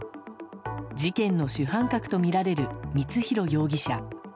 事件の主犯格とみられる光弘容疑者。